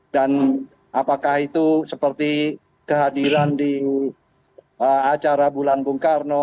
dan apakah itu seperti kehadiran di acara bulan bung karno